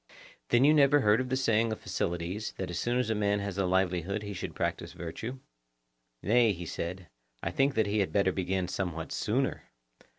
Then you never heard of the saying of Phocylides, that as soon as a man has a livelihood he should practise virtue? Nay, he said, I think that he had better begin somewhat sooner.